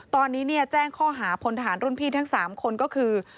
ตอนนี้แจ้งข้อหาพลทหารรุ่นพี่ทั้ง๓คนก็คือ